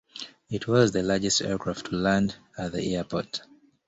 It was the largest aircraft to land at the airport.